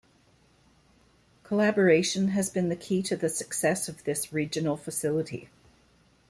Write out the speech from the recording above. Collaboration has been the key to the success of this regional facility.